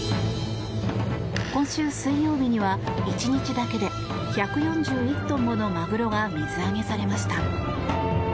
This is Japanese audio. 今週水曜日には１日だけで１４１トンものマグロが水揚げされました。